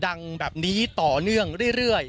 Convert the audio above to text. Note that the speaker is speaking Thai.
ดังแบบนี้ต่อเนื่องเรื่อย